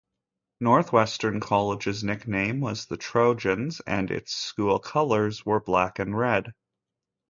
Northwestern College's nickname was the Trojans and its school colors were black and red.